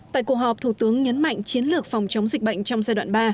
tại cuộc họp thủ tướng nhấn mạnh chiến lược phòng chống dịch bệnh trong giai đoạn ba